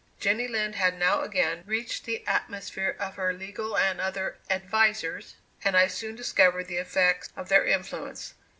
Jenny Lind had now again reached the atmosphere of her legal and other "advisers," and I soon discovered the effects of their influence.